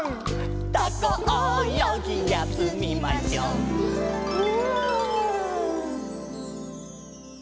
「タコおよぎやすみましょうフ」